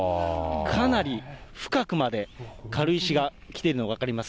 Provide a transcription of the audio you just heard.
かなり深くまで軽石が来ているのが分かります。